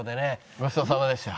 ごちそうさまでした！？